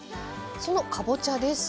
そのかぼちゃですが。